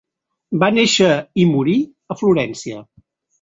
Va néixer i morir a Florència.